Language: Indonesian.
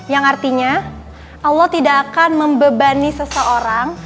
yang artinya allah tidak akan membebani seseorang